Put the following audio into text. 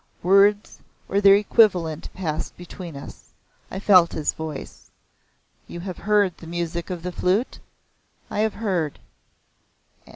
Words or their equivalent passed between us. I felt his voice. "You have heard the music of the Flute?" "I have heard."